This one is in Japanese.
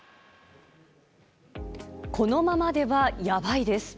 「このままではヤバいです」。